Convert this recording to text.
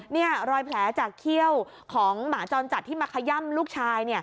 นี่รอยแผลจากเขี้ยวของหมาจรจัดที่มาขย่ำลูกชาย